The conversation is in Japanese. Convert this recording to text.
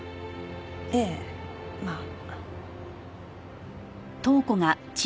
ええまあ。